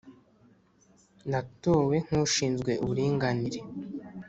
natowe nk’ushinzwe uburinganire,